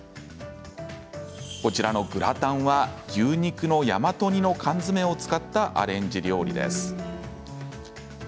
こちらのグラタンは牛肉の大和煮の缶詰を使ったアレンジ料理です。